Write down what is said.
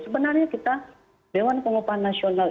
sebenarnya kita dewan pengupahan nasional